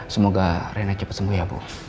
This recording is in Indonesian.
semoga rena cepet sembuh ya bu